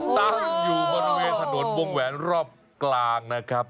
ตั้งอยู่บริเวณถนนวงแหวนรอบกลางนะครับ